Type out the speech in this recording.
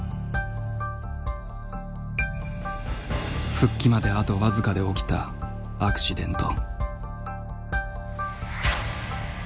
復帰まであと僅かで起きたアクシデント。